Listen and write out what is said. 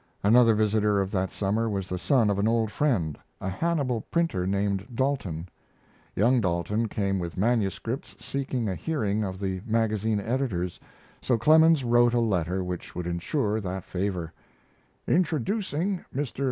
Another visitor of that summer was the son of an old friend, a Hannibal printer named Daulton. Young Daulton came with manuscripts seeking a hearing of the magazine editors, so Clemens wrote a letter which would insure that favor: INTRODUCING MR.